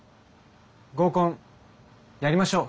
合コンやりましょう。